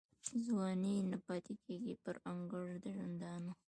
ځواني نه پاته کیږي پر انګړ د ژوندانه